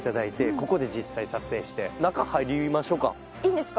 ここで実際撮影して中入りましょうかいいんですか？